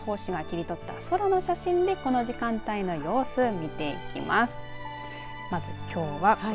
その気象予報士が切り取った空の写真をこの時間帯の様子を見ていきます。